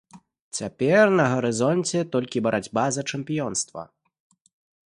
Цяпер на гарызонце толькі барацьба за чэмпіёнства.